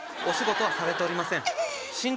お仕事はされておりませんええっ？